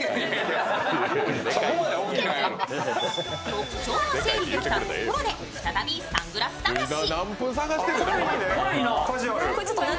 特徴が整理できたところで再びサングラス探し。